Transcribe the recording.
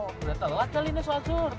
udah telat kali ini saat zuhur